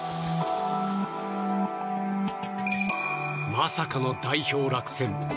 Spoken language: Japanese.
まさかの代表落選。